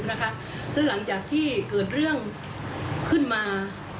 แล้วหลังจากที่เกิดเรื่องขึ้นมา